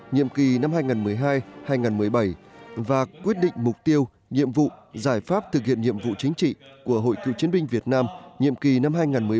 nhiệm kỳ năm hai nghìn một mươi hai hai nghìn một mươi bảy và quyết định mục tiêu nhiệm vụ giải pháp thực hiện nhiệm vụ chính trị của hội cựu chiến binh việt nam nhiệm kỳ năm hai nghìn một mươi bảy hai nghìn hai mươi hai